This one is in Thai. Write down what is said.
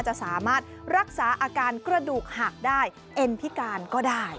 จะสามารถรักษาอาการกระดูกหักได้เอ็นพิการก็ได้